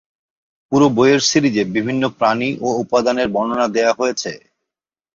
পুরো বইয়ের সিরিজে বিভিন্ন প্রাণী ও উপাদানের বর্ণনা দেয়া হয়েছে।